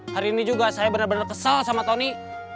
hari ini juga saya bener bener kesal sama tony